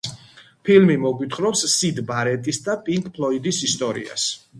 ფილმი მოგვითხრობს სიდ ბარეტის და პინკ ფლოიდის ისტორიას.